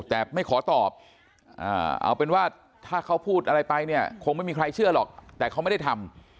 แต่ไม่ขอตอบเอาเป็นว่าถ้าเขาพูดอะไรไปเนี่ยคงไม่มีใครเชื่อหรอกแต่เขาไม่ได้ทำ